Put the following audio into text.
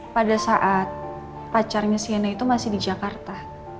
pada saat pacarnya siena itu masih di jakarta